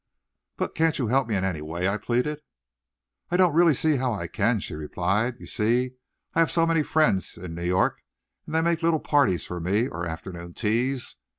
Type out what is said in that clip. "But can't you help me in any way?" I pleaded. "I don't really see how I can," she replied. "You see I have so many friends in New York, and they make little parties for me, or afternoon teas.